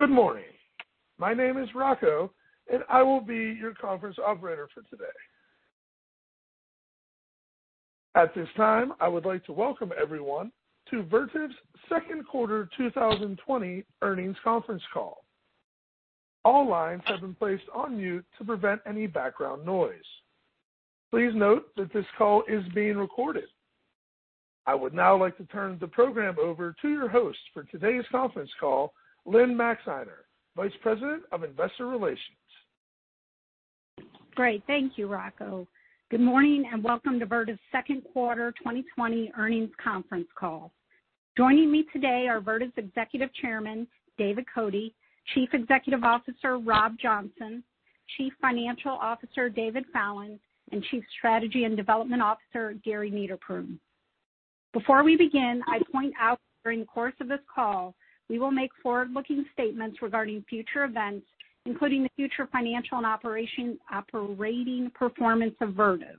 Good morning. My name is Rocco, and I will be your conference operator for today. At this time, I would like to welcome everyone to Vertiv's second quarter 2020 earnings conference call. All lines have been placed on mute to prevent any background noise. Please note that this call is being recorded. I would now like to turn the program over to your host for today's conference call, Lynne Maxeiner, Vice President of Investor Relations. Great. Thank you, Rocco. Good morning and welcome to Vertiv's second quarter 2020 earnings conference call. Joining me today are Vertiv's Executive Chairman, David Cote, Chief Executive Officer, Rob Johnson, Chief Financial Officer, David Fallon, and Chief Strategy and Development Officer, Gary Niederpruem. Before we begin, I point out that during the course of this call, we will make forward-looking statements regarding future events, including the future financial and operating performance of Vertiv.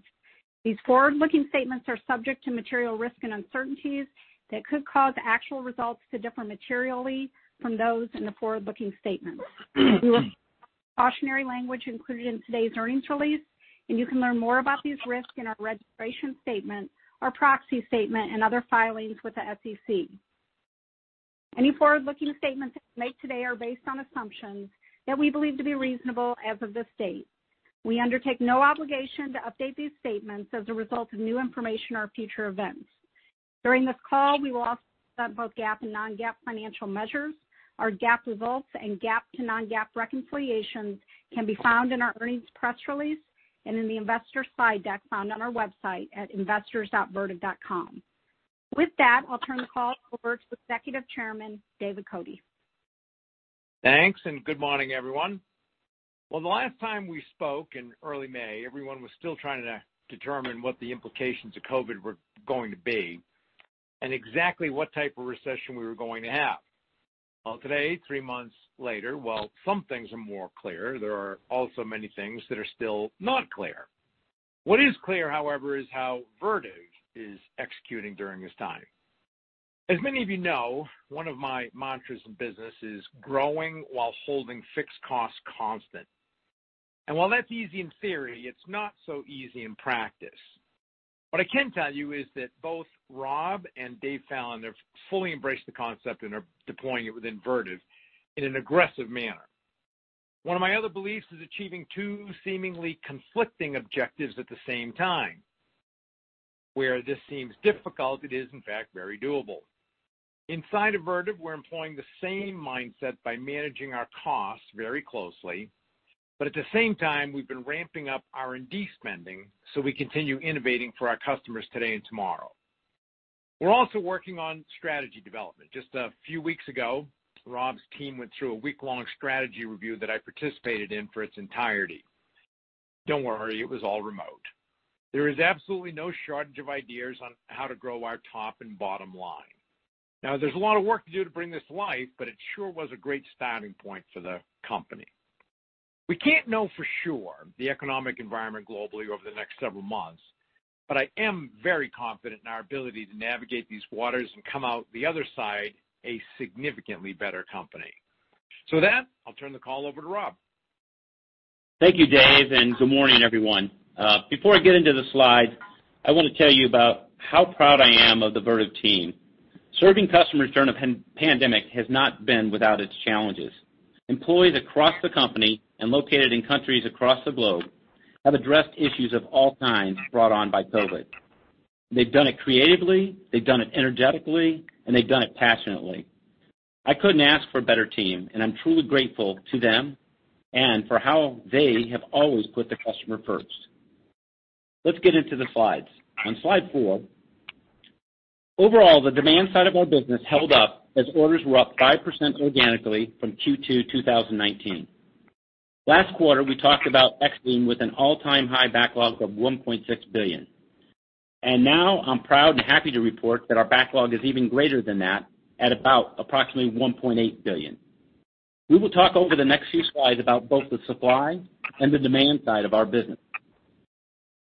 These forward-looking statements are subject to material risks and uncertainties that could cause actual results to differ materially from those in the forward-looking statements. We refer you to the cautionary language included in today's earnings release, and you can learn more about these risks in our registration statement, our proxy statement, and other filings with the SEC. Any forward-looking statements made today are based on assumptions that we believe to be reasonable as of this date. We undertake no obligation to update these statements as a result of new information or future events. During this call, we will also discuss both GAAP and non-GAAP financial measures. Our GAAP results and GAAP to non-GAAP reconciliations can be found in our earnings press release and in the investors slide deck found on our website at investors.vertiv.com. With that, I'll turn the call over to Executive Chairman, David Cote. Thanks. Good morning, everyone. The last time we spoke in early May, everyone was still trying to determine what the implications of COVID were going to be and exactly what type of recession we were going to have. Today, three months later, while some things are more clear, there are also many things that are still not clear. What is clear, however, is how Vertiv is executing during this time. As many of you know, one of my mantras in business is growing while holding fixed costs constant. While that's easy in theory, it's not so easy in practice. What I can tell you is that both Rob and David Fallon have fully embraced the concept and are deploying it within Vertiv in an aggressive manner. One of my other beliefs is achieving two seemingly conflicting objectives at the same time. Where this seems difficult, it is in fact very doable. Inside of Vertiv, we're employing the same mindset by managing our costs very closely. At the same time, we've been ramping up R&D spending, so we continue innovating for our customers today and tomorrow. We're also working on strategy development. Just a few weeks ago, Rob's team went through a week-long strategy review that I participated in for its entirety. Don't worry, it was all remote. There is absolutely no shortage of ideas on how to grow our top and bottom line. There's a lot of work to do to bring this to life, but it sure was a great starting point for the company. We can't know for sure the economic environment globally over the next several months, but I am very confident in our ability to navigate these waters and come out the other side a significantly better company. With that, I'll turn the call over to Rob. Thank you, Dave, and good morning, everyone. Before I get into the slides, I want to tell you about how proud I am of the Vertiv team. Serving customers during a pandemic has not been without its challenges. Employees across the company and located in countries across the globe have addressed issues of all kinds brought on by COVID. They've done it creatively, they've done it energetically, and they've done it passionately. I couldn't ask for a better team, and I'm truly grateful to them and for how they have always put the customer first. Let's get into the slides. On slide four, overall, the demand side of our business held up as orders were up 5% organically from Q2 2019. Last quarter, we talked about exiting with an all-time high backlog of $1.6 billion. Now I'm proud and happy to report that our backlog is even greater than that at about approximately $1.8 billion. We will talk over the next few slides about both the supply and the demand side of our business.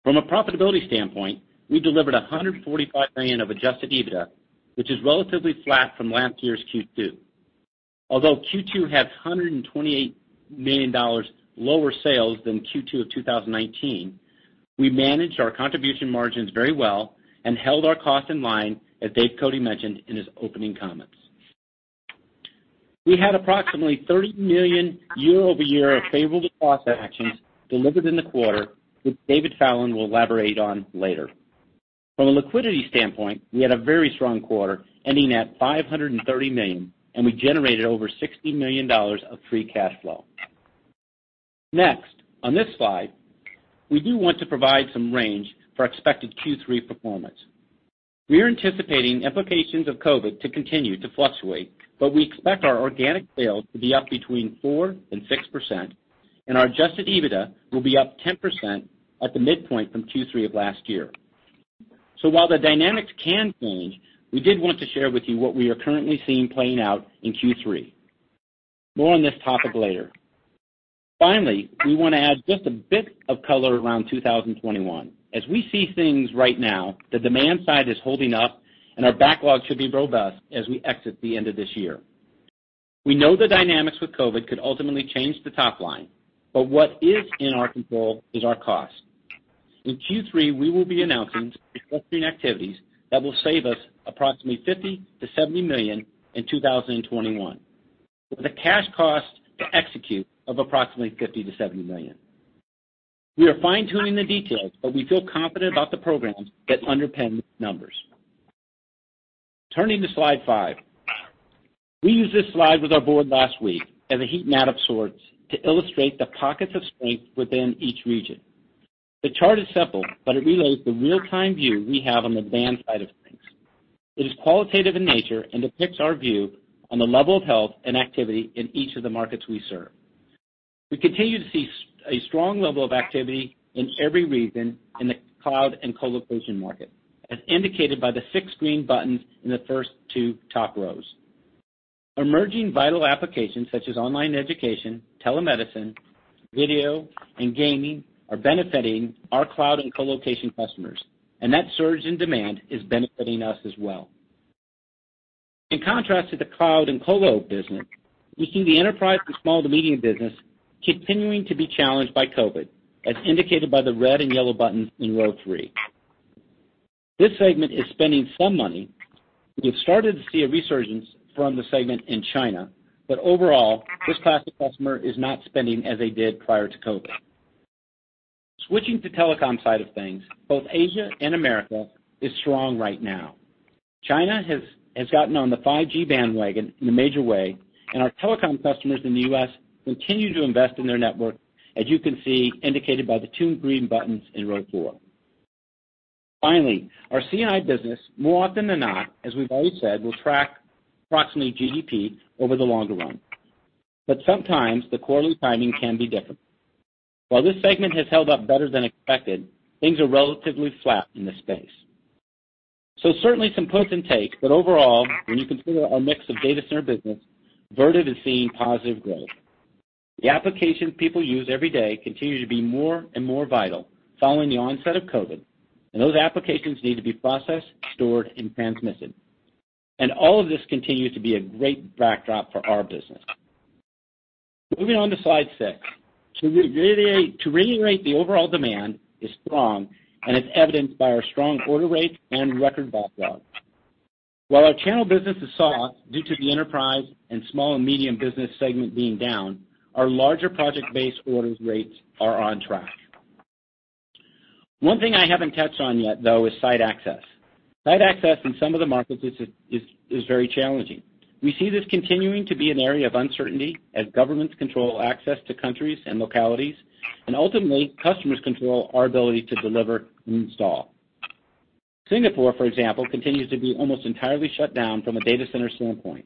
From a profitability standpoint, we delivered $145 million of adjusted EBITDA, which is relatively flat from last year's Q2. Although Q2 has $128 million lower sales than Q2 of 2019, we managed our contribution margins very well and held our costs in line as Dave Cote mentioned in his opening comments. We had approximately $30 million year-over-year of favorable cost actions delivered in the quarter, which David Fallon will elaborate on later. From a liquidity standpoint, we had a very strong quarter, ending at $530 million, and we generated over $60 million of free cash flow. Next, on this slide, we do want to provide some range for expected Q3 performance. We are anticipating implications of COVID to continue to fluctuate, but we expect our organic sales to be up between 4%-6%, and our adjusted EBITDA will be up 10% at the midpoint from Q3 of last year. While the dynamics can change, we did want to share with you what we are currently seeing playing out in Q3. More on this topic later. Finally, we want to add just a bit of color around 2021. As we see things right now, the demand side is holding up, and our backlog should be robust as we exit the end of this year. We know the dynamics with COVID could ultimately change the top line, but what is in our control is our cost. In Q3, we will be announcing restructuring activities that will save us approximately $50 million-$70 million in 2021, with a cash cost to execute of approximately $50 million-$70 million. We are fine-tuning the details, but we feel confident about the programs that underpin these numbers. Turning to slide five. We used this slide with our board last week as a heat map of sorts to illustrate the pockets of strength within each region. The chart is simple, but it relays the real-time view we have on the demand side of things. It is qualitative in nature and depicts our view on the level of health and activity in each of the markets we serve. We continue to see a strong level of activity in every region in the cloud and colocation market, as indicated by the six green buttons in the first two top rows. Emerging vital applications such as online education, telemedicine, video, and gaming are benefiting our cloud and colocation customers. That surge in demand is benefiting us as well. In contrast to the cloud and colo business, we see the enterprise and small to medium business continuing to be challenged by COVID, as indicated by the red and yellow buttons in row three. This segment is spending some money. We have started to see a resurgence from the segment in China. Overall, this class of customer is not spending as they did prior to COVID. Switching to telecom side of things, both Asia and America is strong right now. China has gotten on the 5G bandwagon in a major way. Our telecom customers in the U.S. continue to invest in their network, as you can see indicated by the two green buttons in row four. Finally, our C&I business more often than not, as we've always said, will track approximately GDP over the longer run. Sometimes the quarterly timing can be different. While this segment has held up better than expected, things are relatively flat in this space. Certainly some puts and takes, but overall, when you consider our mix of data center business, Vertiv is seeing positive growth. The applications people use every day continue to be more and more vital following the onset of COVID, and those applications need to be processed, stored, and transmitted. All of this continues to be a great backdrop for our business. Moving on to slide six. To reiterate, the overall demand is strong and is evidenced by our strong order rate and record backlog. While our channel business is soft due to the enterprise and small and medium business segment being down, our larger project-based orders rates are on track. One thing I haven't touched on yet, though, is site access. Site access in some of the markets is very challenging. We see this continuing to be an area of uncertainty as governments control access to countries and localities, and ultimately, customers control our ability to deliver and install. Singapore, for example, continues to be almost entirely shut down from a data center standpoint.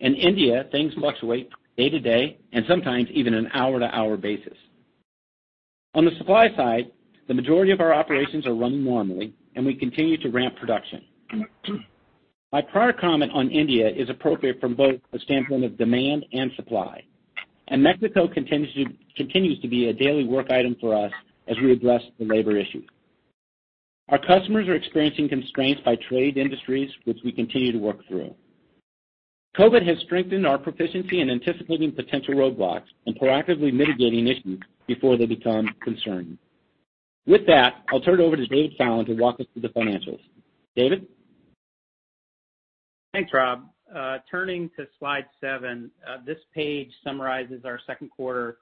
In India, things fluctuate day to day and sometimes even an hour to hour basis. On the supply side, the majority of our operations are running normally, and we continue to ramp production. My prior comment on India is appropriate from both the standpoint of demand and supply. Mexico continues to be a daily work item for us as we address the labor issue. Our customers are experiencing constraints by trade industries, which we continue to work through. COVID has strengthened our proficiency in anticipating potential roadblocks and proactively mitigating issues before they become concerns. With that, I'll turn it over to David Fallon to walk us through the financials. David? Thanks, Rob. Turning to slide seven. This page summarizes our second quarter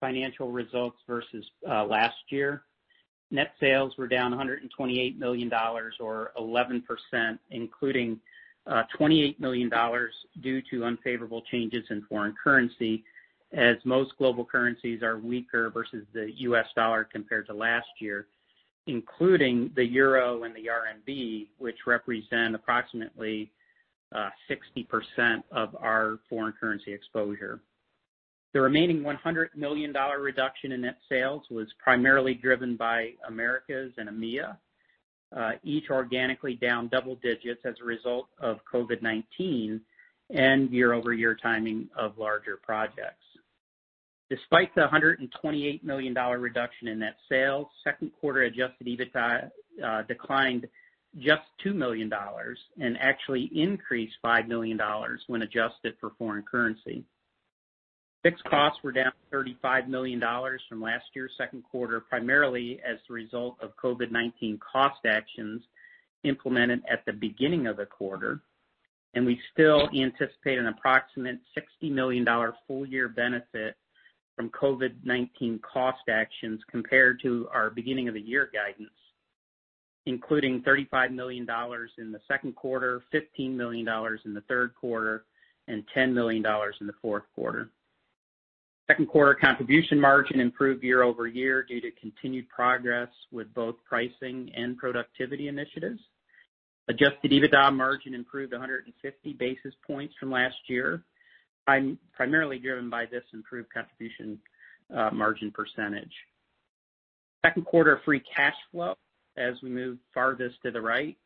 financial results versus last year. Net sales were down $128 million or 11%, including $28 million due to unfavorable changes in foreign currency, as most global currencies are weaker versus the US dollar compared to last year, including the euro and the RMB, which represent approximately 60% of our foreign currency exposure. The remaining $100 million reduction in net sales was primarily driven by Americas and EMEA, each organically down double digits as a result of COVID-19 and year-over-year timing of larger projects. Despite the $128 million reduction in net sales, second quarter adjusted EBITDA declined just $2 million and actually increased $5 million when adjusted for foreign currency. Fixed costs were down $35 million from last year's second quarter, primarily as the result of COVID-19 cost actions implemented at the beginning of the quarter. We still anticipate an approximate $60 million full-year benefit from COVID-19 cost actions compared to our beginning of the year guidance, including $35 million in the second quarter, $15 million in the third quarter, and $10 million in the fourth quarter. Second quarter contribution margin improved year-over-year due to continued progress with both pricing and productivity initiatives. Adjusted EBITDA margin improved 150 basis points from last year, primarily driven by this improved contribution margin percentage. Second quarter free cash flow, as we move farthest to the right,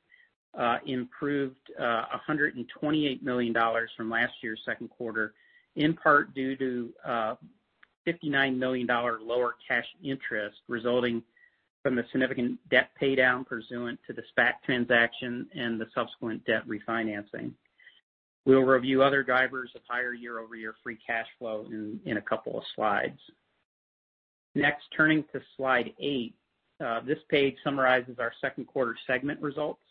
improved $128 million from last year's second quarter, in part due to a $59 million lower cash interest resulting from the significant debt paydown pursuant to the SPAC transaction and the subsequent debt refinancing. We'll review other drivers of higher year-over-year free cash flow in a couple of slides. Turning to slide eight. This page summarizes our second quarter segment results.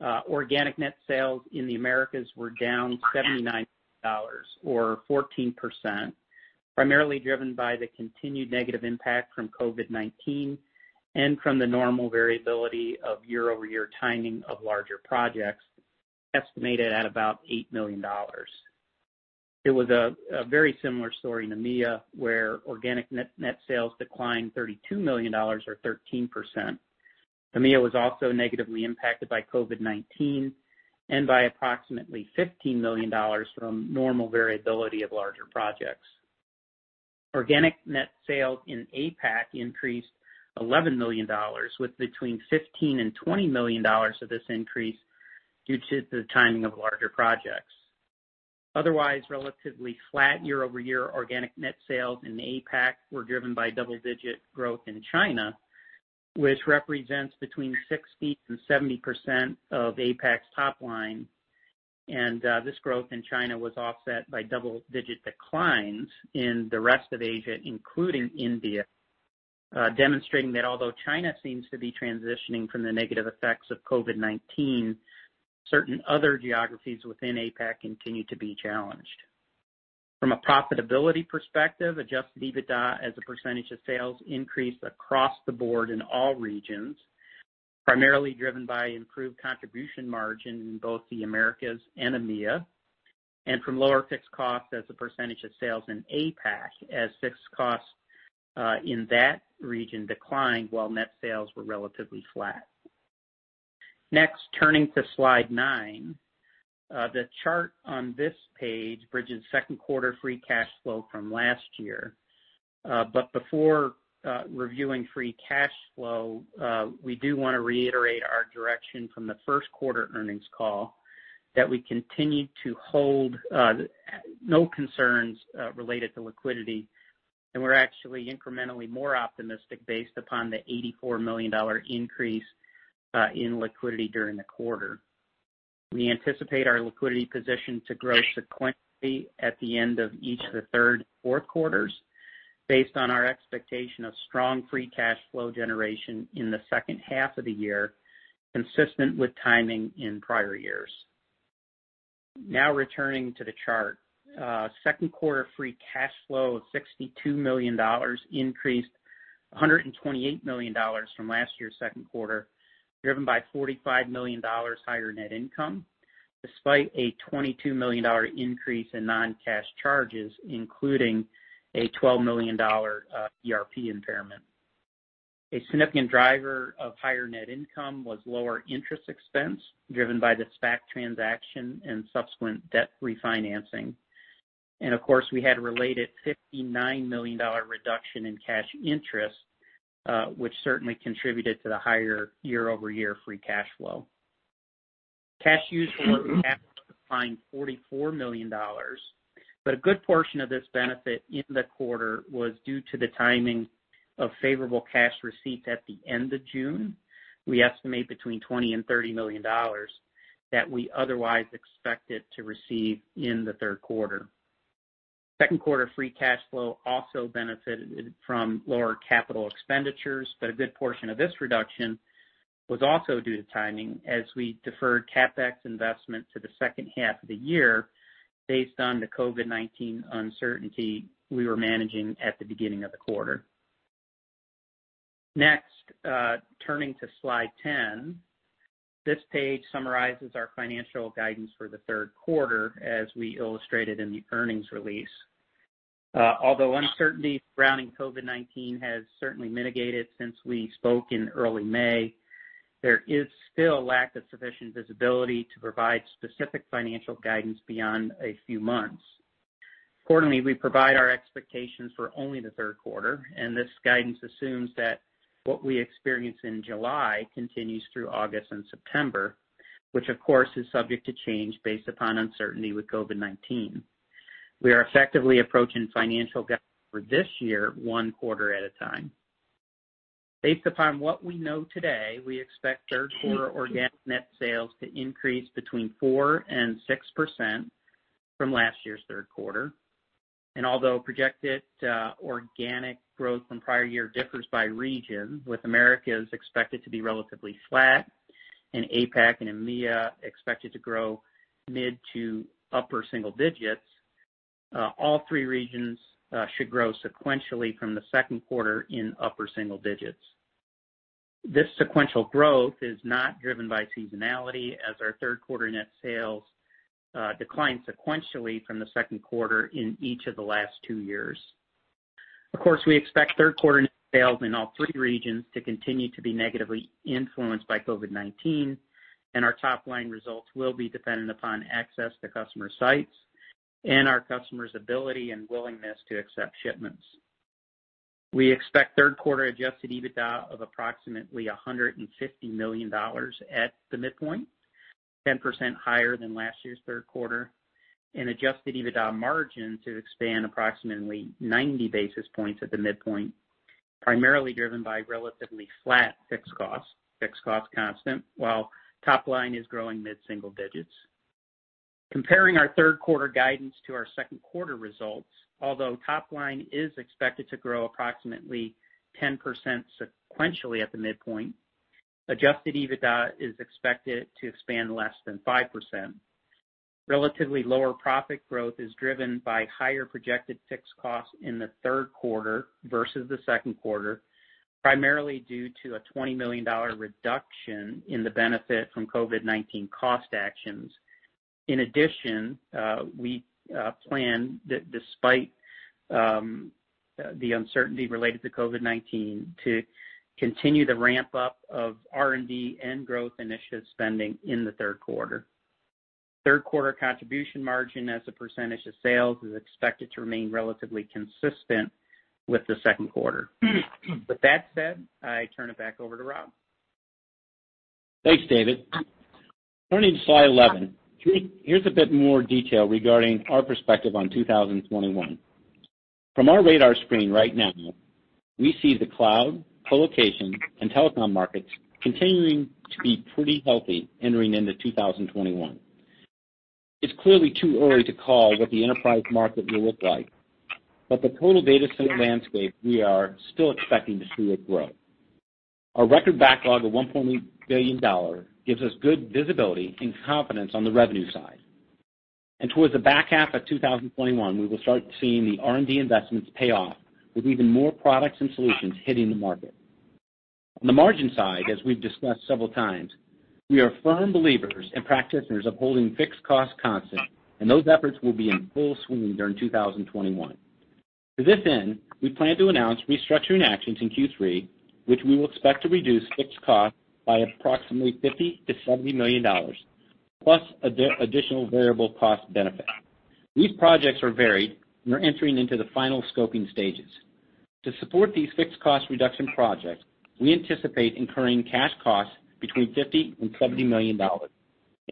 Organic net sales in the Americas were down $79 million or 14%, primarily driven by the continued negative impact from COVID-19 and from the normal variability of year-over-year timing of larger projects, estimated at about $8 million. It was a very similar story in EMEA, where organic net sales declined $32 million, or 13%. EMEA was also negatively impacted by COVID-19 and by approximately $15 million from normal variability of larger projects. Organic net sales in APAC increased $11 million, with between $15 million and $20 million of this increase due to the timing of larger projects. Otherwise, relatively flat year-over-year organic net sales in APAC were driven by double-digit growth in China, which represents between 60% and 70% of APAC's top line. This growth in China was offset by double-digit declines in the rest of Asia, including India, demonstrating that although China seems to be transitioning from the negative effects of COVID-19, certain other geographies within APAC continue to be challenged. From a profitability perspective, adjusted EBITDA as a percentage of sales increased across the board in all regions, primarily driven by improved contribution margin in both the Americas and EMEA, and from lower fixed costs as a percentage of sales in APAC as fixed costs in that region declined while net sales were relatively flat. Next, turning to slide nine. The chart on this page bridges second quarter free cash flow from last year. Before reviewing free cash flow, we do want to reiterate our direction from the first quarter earnings call that we continue to hold no concerns related to liquidity, and we're actually incrementally more optimistic based upon the $84 million increase in liquidity during the quarter. We anticipate our liquidity position to grow sequentially at the end of each of the third and fourth quarters based on our expectation of strong free cash flow generation in the second half of the year, consistent with timing in prior years. Returning to the chart. Second quarter free cash flow of $62 million increased $128 million from last year's second quarter, driven by $45 million higher net income, despite a $22 million increase in non-cash charges, including a $12 million ERP impairment. A significant driver of higher net income was lower interest expense driven by the SPAC transaction and subsequent debt refinancing. Of course, we had a related $59 million reduction in cash interest, which certainly contributed to the higher year-over-year free cash flow. Cash used for capital declined $44 million, a good portion of this benefit in the quarter was due to the timing of favorable cash receipts at the end of June. We estimate between $20 million and $30 million that we otherwise expected to receive in the third quarter. Second quarter free cash flow also benefited from lower capital expenditures, a good portion of this reduction was also due to timing as we deferred CapEx investment to the second half of the year based on the COVID-19 uncertainty we were managing at the beginning of the quarter. Next, turning to slide 10. This page summarizes our financial guidance for the third quarter as we illustrated in the earnings release. Although uncertainty surrounding COVID-19 has certainly mitigated since we spoke in early May, there is still lack of sufficient visibility to provide specific financial guidance beyond a few months. Accordingly, we provide our expectations for only the third quarter, and this guidance assumes that what we experience in July continues through August and September, which of course is subject to change based upon uncertainty with COVID-19. We are effectively approaching financial guidance for this year one quarter at a time. Based upon what we know today, we expect third quarter organic net sales to increase between 4%-6% from last year's third quarter. Although projected organic growth from prior year differs by region, with Americas expected to be relatively flat and APAC and EMEA expected to grow mid to upper single digits, all three regions should grow sequentially from the second quarter in upper single digits. This sequential growth is not driven by seasonality as our third quarter net sales declined sequentially from the second quarter in each of the last two years. Of course, we expect third quarter net sales in all three regions to continue to be negatively influenced by COVID-19, and our top-line results will be dependent upon access to customer sites. Our customers' ability and willingness to accept shipments. We expect third quarter adjusted EBITDA of approximately $150 million at the midpoint, 10% higher than last year's third quarter, and adjusted EBITDA margin to expand approximately 90 basis points at the midpoint, primarily driven by relatively flat fixed costs, fixed cost constant, while top line is growing mid-single digits. Comparing our third quarter guidance to our second quarter results, although top line is expected to grow approximately 10% sequentially at the midpoint, adjusted EBITDA is expected to expand less than 5%. Relatively lower profit growth is driven by higher projected fixed costs in the third quarter versus the second quarter, primarily due to a $20 million reduction in the benefit from COVID-19 cost actions. In addition, we plan that despite the uncertainty related to COVID-19, to continue the ramp-up of R&D and growth initiative spending in the third quarter. Third quarter contribution margin as a percentage of sales is expected to remain relatively consistent with the second quarter. With that said, I turn it back over to Rob. Thanks, David. Turning to slide 11, here's a bit more detail regarding our perspective on 2021. From our radar screen right now, we see the cloud, co-location, and telecom markets continuing to be pretty healthy entering into 2021. It's clearly too early to call what the enterprise market will look like, but the total data center landscape, we are still expecting to see it grow. Our record backlog of $1.8 billion gives us good visibility and confidence on the revenue side. Towards the back half of 2021, we will start seeing the R&D investments pay off with even more products and solutions hitting the market. On the margin side, as we've discussed several times, we are firm believers and practitioners of holding fixed cost constant, and those efforts will be in full swing during 2021. To this end, we plan to announce restructuring actions in Q3, which we will expect to reduce fixed cost by approximately $50 million-$70 million, plus additional variable cost benefit. These projects are varied and are entering into the final scoping stages. To support these fixed cost reduction projects, we anticipate incurring cash costs between $50 million and $70 million,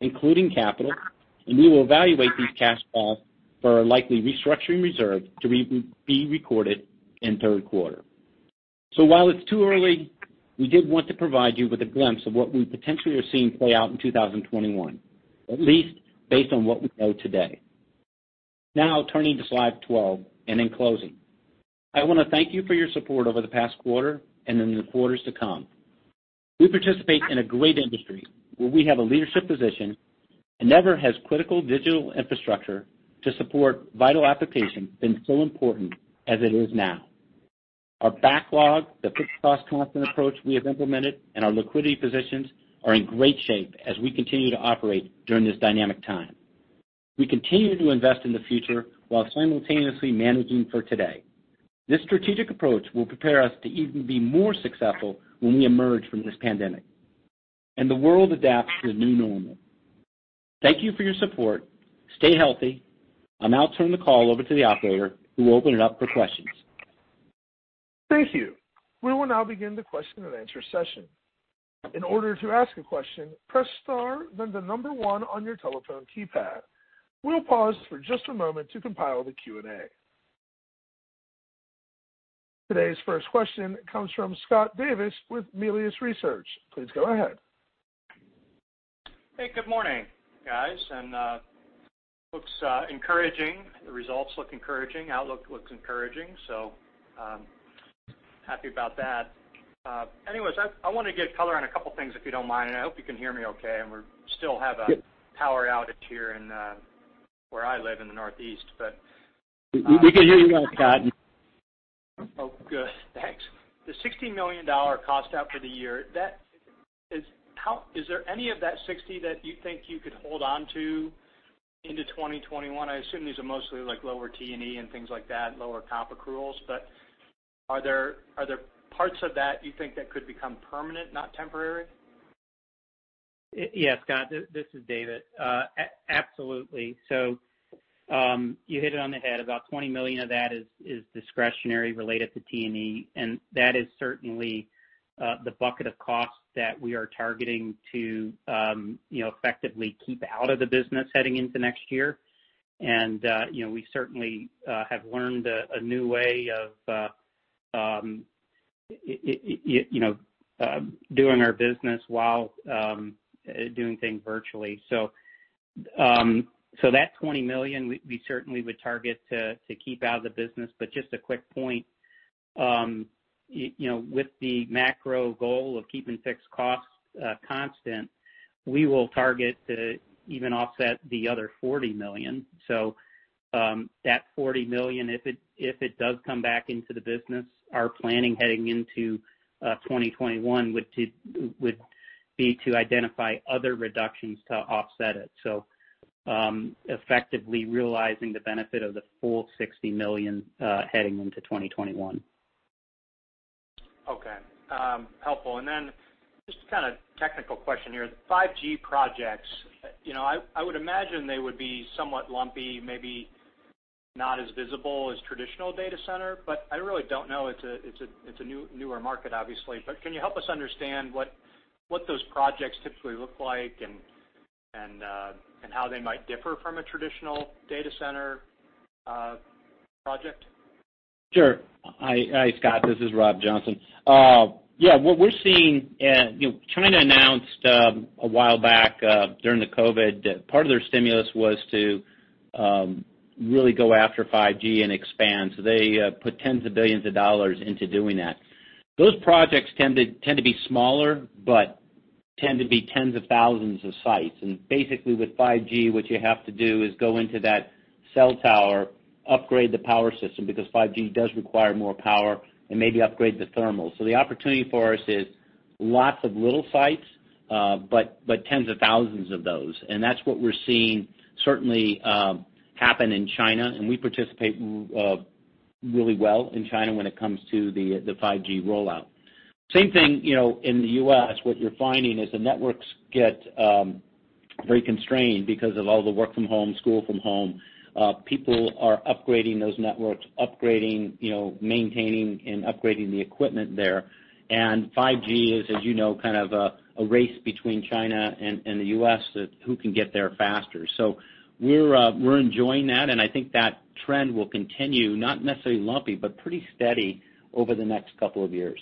including capital, and we will evaluate these cash costs for a likely restructuring reserve to be recorded in third quarter. While it's too early, we did want to provide you with a glimpse of what we potentially are seeing play out in 2021, at least based on what we know today. Turning to slide 12 and in closing. I want to thank you for your support over the past quarter and in the quarters to come. We participate in a great industry where we have a leadership position, and never has critical digital infrastructure to support vital applications been so important as it is now. Our backlog, the fixed cost constant approach we have implemented, and our liquidity positions are in great shape as we continue to operate during this dynamic time. We continue to invest in the future while simultaneously managing for today. This strategic approach will prepare us to even be more successful when we emerge from this pandemic, and the world adapts to a new normal. Thank you for your support. Stay healthy. I'll now turn the call over to the operator, who will open it up for questions. Thank you. We will now begin the question and answer session. In order to ask a question, press star, then the number one on your telephone keypad. We'll pause for just a moment to compile the Q&A. Today's first question comes from Scott Davis with Melius Research. Please go ahead. Hey, good morning, guys. Looks encouraging. The results look encouraging. Outlook looks encouraging. Happy about that. Anyways, I want to get color on a couple things, if you don't mind, and I hope you can hear me okay. We still have a power outage here in where I live in the Northeast. We can hear you well, Scott. Oh, good. Thanks. The $60 million cost out for the year, is there any of that 60 that you think you could hold on to into 2021? I assume these are mostly like lower T&E and things like that, lower CapEx accruals. Are there parts of that you think that could become permanent, not temporary? Yeah, Scott, this is David. Absolutely. You hit it on the head. About $20 million of that is discretionary related to T&E, and that is certainly the bucket of costs that we are targeting to effectively keep out of the business heading into next year. We certainly have learned a new way of doing our business while doing things virtually. That $20 million we certainly would target to keep out of the business. Just a quick point. With the macro goal of keeping fixed costs constant, we will target to even offset the other $40 million. That $40 million, if it does come back into the business, our planning heading into 2021 would be to identify other reductions to offset it. Effectively realizing the benefit of the full $60 million heading into 2021. Okay. Helpful. Just a technical question here. The 5G projects, I would imagine they would be somewhat lumpy, maybe not as visible as traditional data center, but I really don't know. It's a newer market, obviously. Can you help us understand what those projects typically look like and how they might differ from a traditional data center project? Sure. Hi, Scott. This is Rob Johnson. Yeah, what we're seeing, China announced a while back, during the COVID, that part of their stimulus was to really go after 5G and expand. They put $10s of billions into doing that. Those projects tend to be smaller, but tend to be 10s of thousands of sites. Basically with 5G, what you have to do is go into that cell tower, upgrade the power system, because 5G does require more power, and maybe upgrade the thermal. The opportunity for us is lots of little sites, but 10s of thousands of those. That's what we're seeing certainly, happen in China, and we participate really well in China when it comes to the 5G rollout. Same thing, in the U.S., what you're finding is the networks get very constrained because of all the work from home, school from home. People are upgrading those networks, maintaining and upgrading the equipment there. 5G is, as you know, kind of a race between China and the U.S., who can get there faster. We're enjoying that, and I think that trend will continue, not necessarily lumpy, but pretty steady over the next couple of years.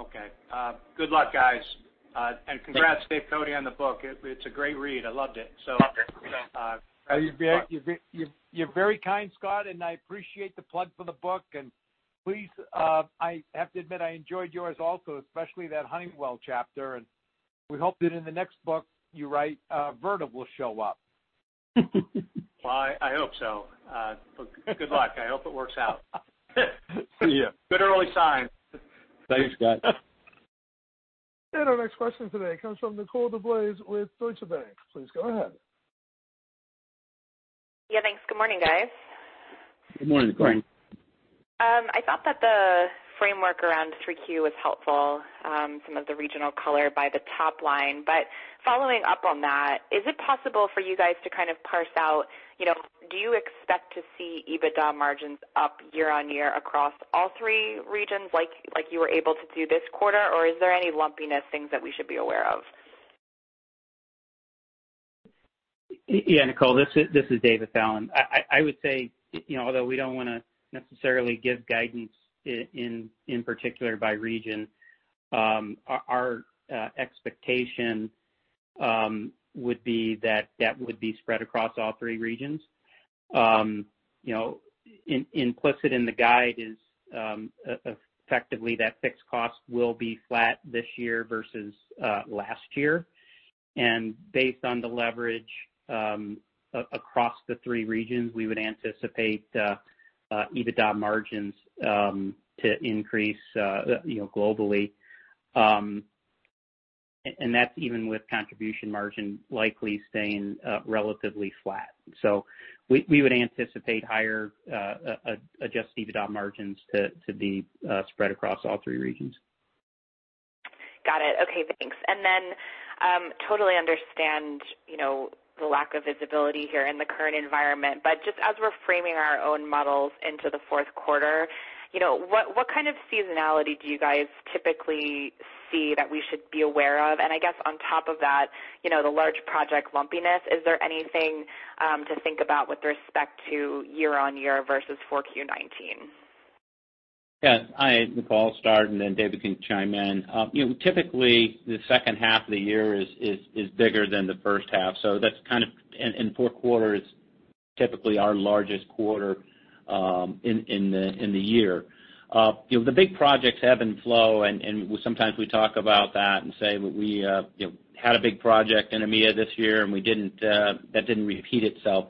Okay. Good luck, guys. Congrats, Dave Cote, on the book. It's a great read. I loved it. You're very kind, Scott, I appreciate the plug for the book. Please, I have to admit, I enjoyed yours also, especially that Honeywell chapter. We hope that in the next book you write, Vertiv will show up. Well, I hope so. Good luck. I hope it works out. See you. Good early sign. Thanks, Scott. Our next question today comes from Nicole DeBlase with Deutsche Bank. Please go ahead. Yeah, thanks. Good morning, guys. Good morning. Good morning. I thought that the framework around 3Q was helpful, some of the regional color by the top line. Following up on that, is it possible for you guys to kind of parse out, do you expect to see EBITDA margins up year-over-year across all three regions like you were able to do this quarter? Is there any lumpiness, things that we should be aware of? Yeah, Nicole, this is David Fallon. I would say, although we don't want to necessarily give guidance in particular by region, our expectation would be that that would be spread across all three regions. Implicit in the guide is effectively that fixed costs will be flat this year versus last year. Based on the leverage across the three regions, we would anticipate EBITDA margins to increase globally. That's even with contribution margin likely staying relatively flat. We would anticipate higher adjusted EBITDA margins to be spread across all three regions. Got it. Okay, thanks. Totally understand the lack of visibility here in the current environment, just as we're framing our own models into the fourth quarter, what kind of seasonality do you guys typically see that we should be aware of? I guess on top of that, the large project lumpiness, is there anything to think about with respect to year-on-year versus 4Q 2019? Yeah. Hi, Nicole. I'll start, and then David can chime in. Typically, the second half of the year is bigger than the first half. Fourth quarter is typically our largest quarter in the year. The big projects ebb and flow, and sometimes we talk about that and say we had a big project in EMEA this year, and that didn't repeat itself.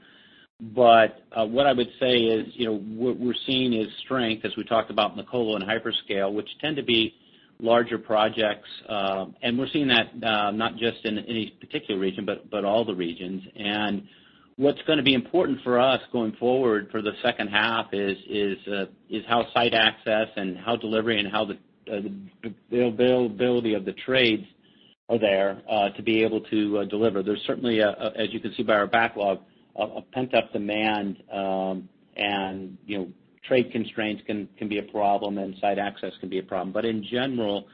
What I would say is, what we're seeing is strength, as we talked about in the call on hyperscale, which tend to be larger projects. We're seeing that not just in any particular region, but all the regions. What's going to be important for us going forward for the second half is how site access and how delivery and how the availability of the trades are there to be able to deliver. There's certainly, as you can see by our backlog, a pent-up demand, and trade constraints can be a problem, and site access can be a problem. In general,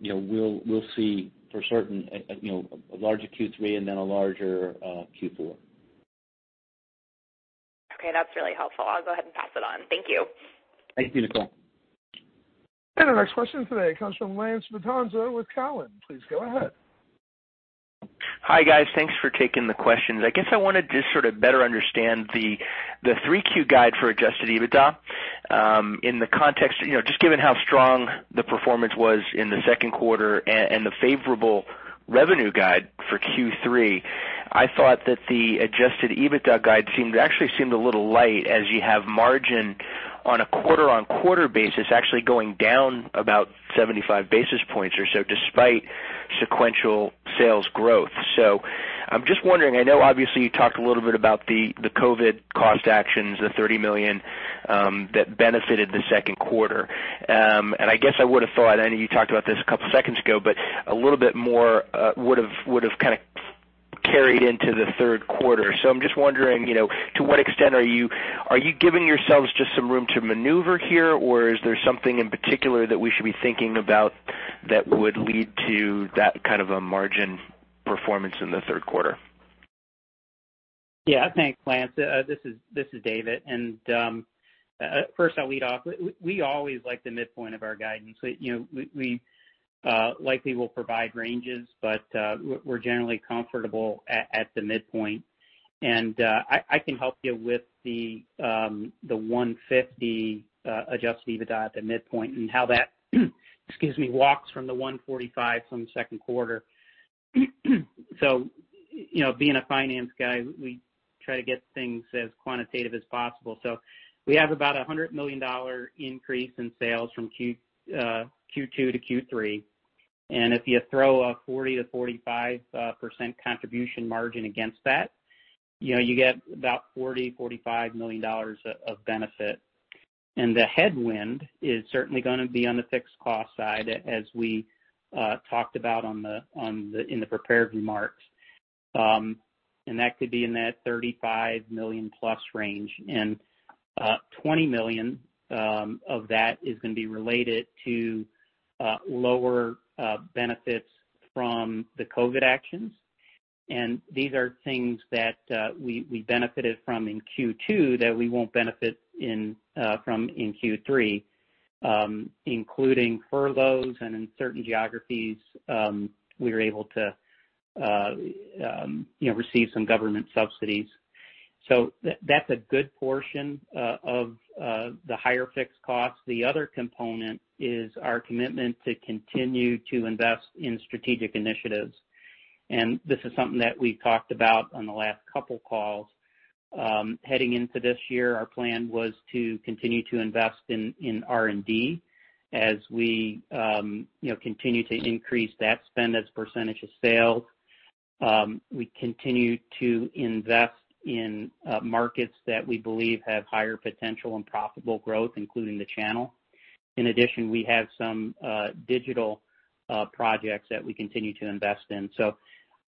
we'll see for certain, a larger Q3 and then a larger Q4. Okay, that's really helpful. I'll go ahead and pass it on. Thank you. Thank you, Nicole. Our next question today comes from Lance Vitanza with Cowen. Please go ahead. Hi, guys. Thanks for taking the questions. I wanted to sort of better understand the 3Q guide for adjusted EBITDA. Given how strong the performance was in the second quarter and the favorable revenue guide for Q3, I thought that the adjusted EBITDA guide actually seemed a little light as you have margin on a quarter-on-quarter basis actually going down about 75 basis points or so, despite sequential sales growth. I'm just wondering, I know obviously you talked a little bit about the COVID cost actions, the $30 million that benefited the second quarter. I would've thought, I know you talked about this a couple seconds ago, but a little bit more would've carried into the third quarter. I'm just wondering, to what extent are you giving yourselves just some room to maneuver here? Is there something in particular that we should be thinking about that would lead to that kind of a margin performance in the third quarter? Yeah. Thanks, Lance. This is David. First I'll lead off. We always like the midpoint of our guidance. We likely will provide ranges, but we're generally comfortable at the midpoint. I can help you with the $150 adjusted EBITDA at the midpoint, and how that walks from the $145 from the second quarter. Being a finance guy, we try to get things as quantitative as possible. We have about $100 million increase in sales from Q2-Q3, and if you throw a 40%-45% contribution margin against that, you get about $40 million, $45 million of benefit. The headwind is certainly gonna be on the fixed cost side, as we talked about in the prepared remarks. That could be in that $35 million-plus range. $20 million of that is gonna be related to lower benefits from the COVID actions. These are things that we benefited from in Q2 that we won't benefit from in Q3, including furloughs and in certain geographies we were able to receive some government subsidies. That's a good portion of the higher fixed costs. The other component is our commitment to continue to invest in strategic initiatives. This is something that we talked about on the last couple calls. Heading into this year, our plan was to continue to invest in R&D as we continue to increase that spend as percentage of sales. We continue to invest in markets that we believe have higher potential and profitable growth, including the channel. In addition, we have some digital projects that we continue to invest in.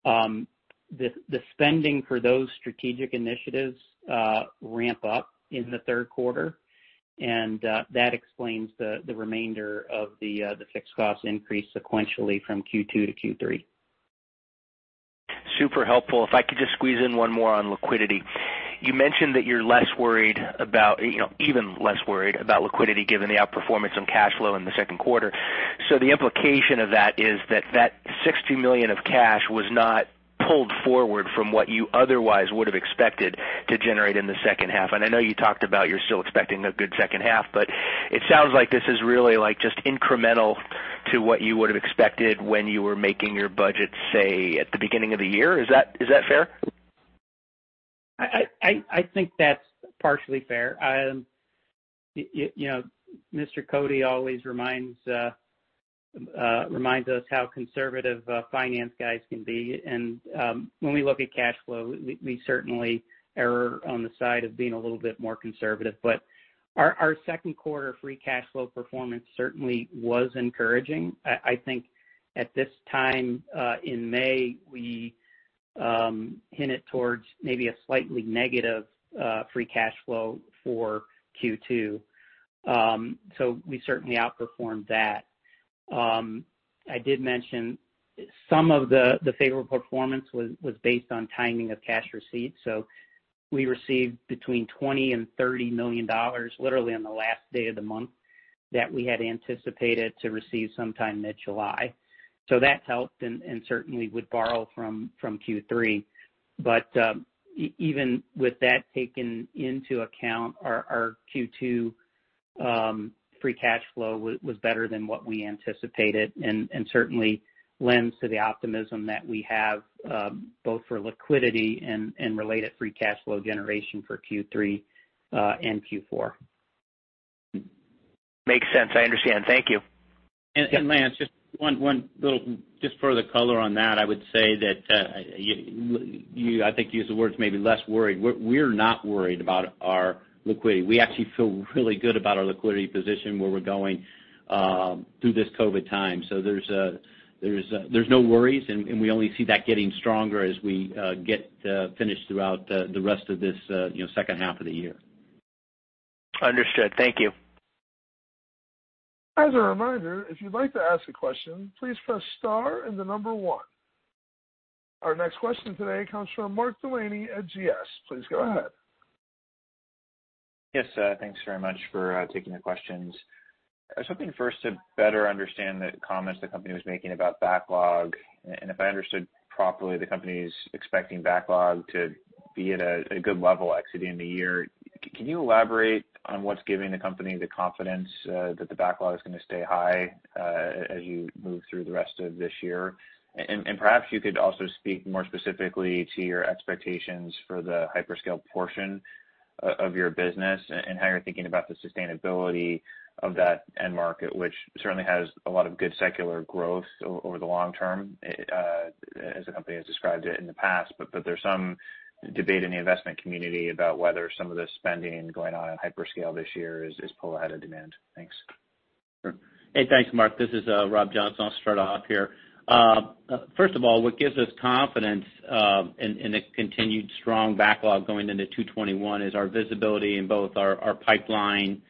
The spending for those strategic initiatives ramp up in the third quarter, and that explains the remainder of the fixed cost increase sequentially from Q2-Q3. Super helpful. If I could just squeeze in one more on liquidity. You mentioned that you're even less worried about liquidity given the outperformance on cash flow in the second quarter. The implication of that is that that $60 million of cash was not pulled forward from what you otherwise would've expected to generate in the second half. I know you talked about you're still expecting a good second half, but it sounds like this is really just incremental to what you would've expected when you were making your budget, say, at the beginning of the year. Is that fair? I think that's partially fair. Mr. Cote always reminds us how conservative finance guys can be. When we look at cash flow, we certainly err on the side of being a little bit more conservative. Our second quarter free cash flow performance certainly was encouraging. I think at this time in May, we hinted towards maybe a slightly negative free cash flow for Q2. We certainly outperformed that. I did mention some of the favorable performance was based on timing of cash receipts. We received between $20 million and $30 million literally on the last day of the month that we had anticipated to receive sometime mid-July. That's helped and certainly would borrow from Q3. Even with that taken into account, our Q2 free cash flow was better than what we anticipated and certainly lends to the optimism that we have both for liquidity and related free cash flow generation for Q3 and Q4. Makes sense. I understand. Thank you. Lance, just one little further color on that. I would say that you, I think, used the words maybe less worried. We're not worried about our liquidity. We actually feel really good about our liquidity position, where we're going through this COVID time. There's no worries. We only see that getting stronger as we get finished throughout the rest of this second half of the year. Understood. Thank you. As a reminder, if you'd like to ask a question, please press star and the number one. Our next question today comes from Mark Delaney at GS. Please go ahead. Yes. Thanks very much for taking the questions. Something first to better understand the comments the company was making about backlog, and if I understood properly, the company's expecting backlog to be at a good level exiting the year. Can you elaborate on what's giving the company the confidence that the backlog is going to stay high as you move through the rest of this year? Perhaps you could also speak more specifically to your expectations for the hyperscale portion of your business and how you're thinking about the sustainability of that end market, which certainly has a lot of good secular growth over the long term, as the company has described it in the past. There's some debate in the investment community about whether some of the spending going on in hyperscale this year is pull ahead of demand. Thanks. Sure. Hey, thanks, Mark. This is Rob Johnson. I'll start off here. First of all, what gives us confidence in the continued strong backlog going into 2021 is our visibility in both our pipeline,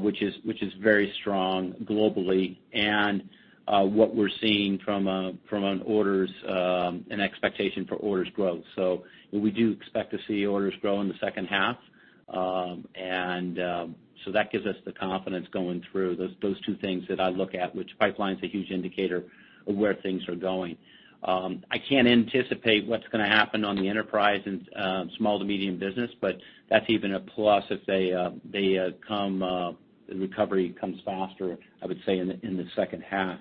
which is very strong globally, and what we're seeing from an expectation for orders growth. We do expect to see orders grow in the second half. That gives us the confidence going through. Those two things that I look at, which pipeline's a huge indicator of where things are going. I can't anticipate what's going to happen on the enterprise and small to medium business, but that's even a plus if the recovery comes faster, I would say, in the second half.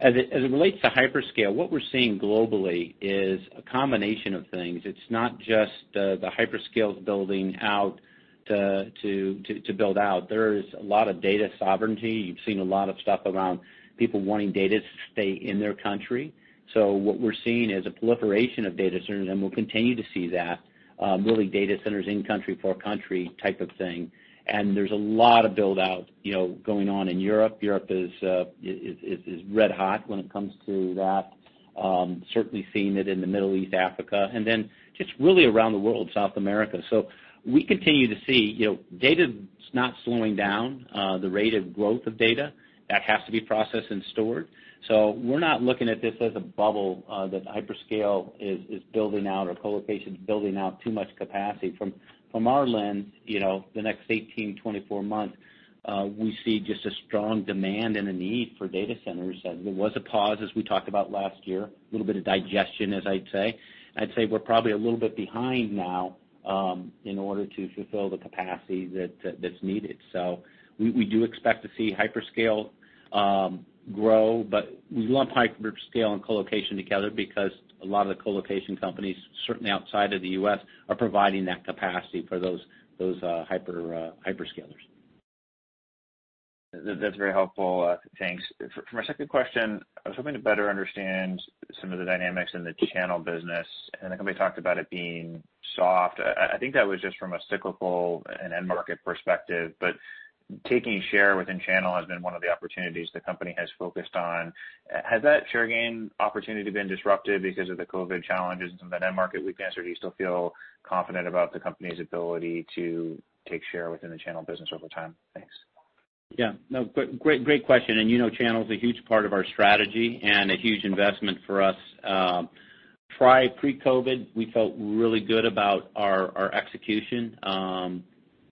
As it relates to hyperscale, what we're seeing globally is a combination of things. It's not just the hyperscale is building out to build out. There is a lot of data sovereignty. You've seen a lot of stuff around people wanting data to stay in their country. What we're seeing is a proliferation of data centers, and we'll continue to see that. Really data centers in country for country type of thing. There's a lot of build-out going on in Europe. Europe is red hot when it comes to that. Certainly seeing it in the Middle East, Africa, and then just really around the world, South America. We continue to see data's not slowing down. The rate of growth of data, that has to be processed and stored. We're not looking at this as a bubble that hyperscale is building out or colocation's building out too much capacity. From our lens, the next 18-24 months, we see just a strong demand and a need for data centers. There was a pause, as we talked about last year, a little bit of digestion, as I'd say. I'd say we're probably a little bit behind now in order to fulfill the capacity that's needed. We do expect to see hyperscale grow, but we lump hyperscale and colocation together because a lot of the colocation companies, certainly outside of the U.S., are providing that capacity for those hyperscalers. That's very helpful. Thanks. For my second question, I was hoping to better understand some of the dynamics in the channel business, and the company talked about it being soft. I think that was just from a cyclical and end market perspective, but taking share within channel has been one of the opportunities the company has focused on. Has that share gain opportunity been disrupted because of the COVID challenges and the net market weakness, or do you still feel confident about the company's ability to take share within the channel business over time? Thanks. Yeah, no. Great question, and you know channel's a huge part of our strategy and a huge investment for us. Pre-COVID, we felt really good about our execution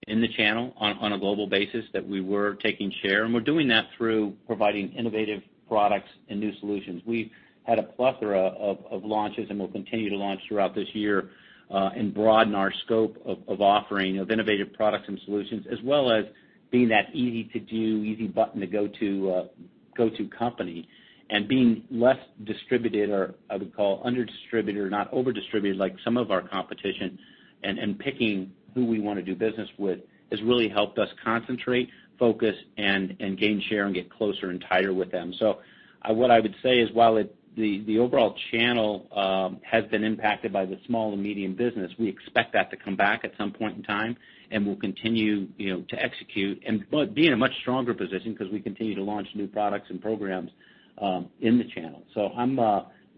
in the channel on a global basis, that we were taking share. We're doing that through providing innovative products and new solutions. We've had a plethora of launches and we'll continue to launch throughout this year. Broaden our scope of offering of innovative products and solutions, as well as being that easy to do, easy button to go-to company. Being less distributed or, I would call, under distributed, not over distributed like some of our competition, and picking who we want to do business with, has really helped us concentrate, focus, and gain share and get closer and tighter with them. What I would say is, while the overall channel has been impacted by the small to medium business, we expect that to come back at some point in time, and we'll continue to execute and be in a much stronger position because we continue to launch new products and programs in the channel. I'm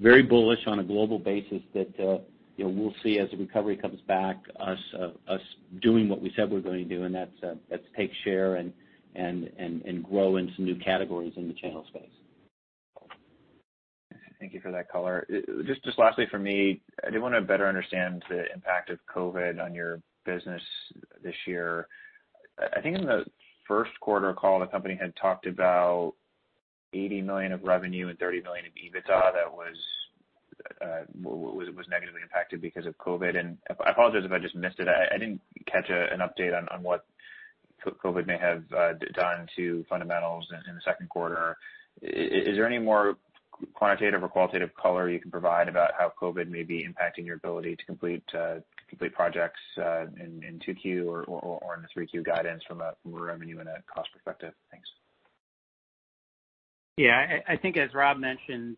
very bullish on a global basis that we'll see as the recovery comes back, us doing what we said we're going to do, and that's take share and grow into new categories in the channel space. Thank you for that color. Just lastly from me, I did want to better understand the impact of COVID on your business this year. I think in the first quarter call, the company had talked about $80 million of revenue and $30 million in EBITDA that was negatively impacted because of COVID. I apologize if I just missed it. I didn't catch an update on what COVID may have done to fundamentals in the second quarter. Is there any more quantitative or qualitative color you can provide about how COVID may be impacting your ability to complete projects in 2Q or in the 3Q guidance from a revenue and a cost perspective? Thanks. Yeah. I think, as Rob mentioned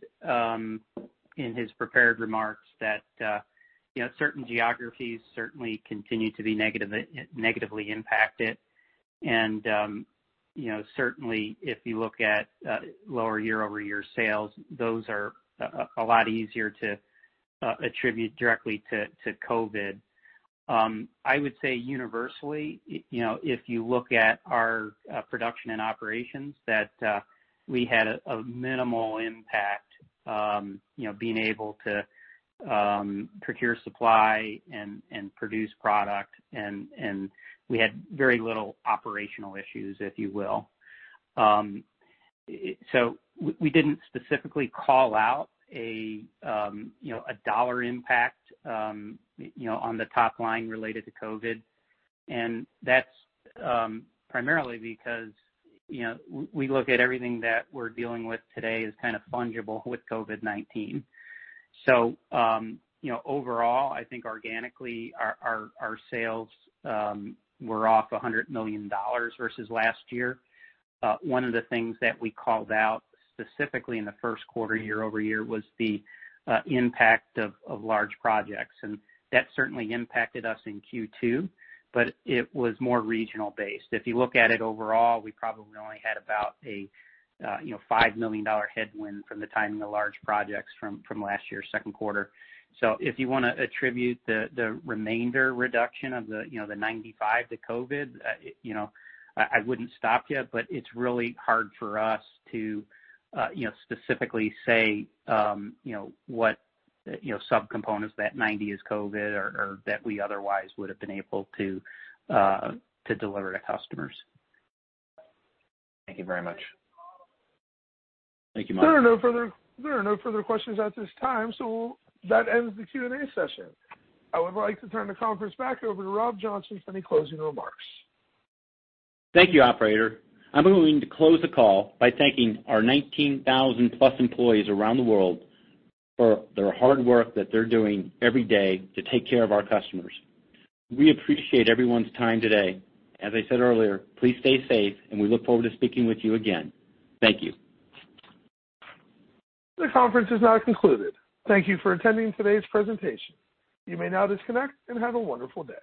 in his prepared remarks, that certain geographies certainly continue to be negatively impacted. Certainly, if you look at lower year-over-year sales, those are a lot easier to attribute directly to COVID. I would say universally, if you look at our production and operations, that we had a minimal impact being able to procure supply and produce product, and we had very little operational issues, if you will. We didn't specifically call out a dollar impact on the top line related to COVID, and that's primarily because we look at everything that we're dealing with today as kind of fungible with COVID-19. Overall, I think organically, our sales were off $100 million versus last year. One of the things that we called out specifically in the first quarter, year-over-year, was the impact of large projects. That certainly impacted us in Q2, but it was more regional based. If you look at it overall, we probably only had about a $5 million headwind from the timing of large projects from last year's second quarter. If you want to attribute the remainder reduction of the 95 to COVID, I wouldn't stop you, but it's really hard for us to specifically say what subcomponents that 90 is COVID or that we otherwise would have been able to deliver to customers. Thank you very much. Thank you, Mark. There are no further questions at this time. That ends the Q&A session. I would like to turn the conference back over to Rob Johnson for any closing remarks. Thank you, operator. I'm going to close the call by thanking our 19,000+ employees around the world for their hard work that they're doing every day to take care of our customers. We appreciate everyone's time today. As I said earlier, please stay safe, and we look forward to speaking with you again. Thank you. This conference is now concluded. Thank you for attending today's presentation. You may now disconnect, and have a wonderful day.